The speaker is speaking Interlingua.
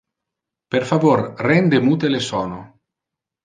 Per favor rende mute le sono.